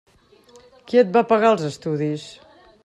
Qui et va pagar els estudis?